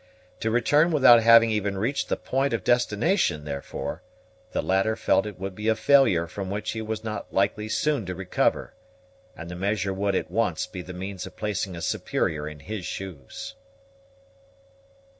To return without having even reached the point of destination, therefore, the latter felt would be a failure from which he was not likely soon to recover, and the measure would at once be the means of placing a superior in his shoes.